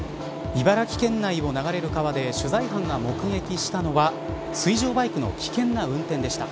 茨城県内を流れる川で取材班が目撃したのは水上バイクの危険な運転でした。